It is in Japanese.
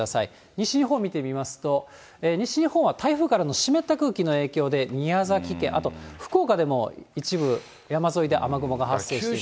西日本見てみますと、西日本は台風からの湿った空気の影響で、宮崎県、あと福岡でも一部、山沿いで雨雲が発生しています。